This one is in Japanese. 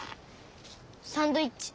サンドイッチ。